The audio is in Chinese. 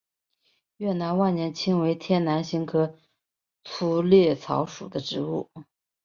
越南万年青为天南星科粗肋草属的植物。